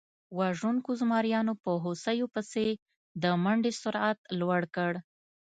وژونکو زمریانو په هوسیو پسې د منډې سرعت لوړ کړ.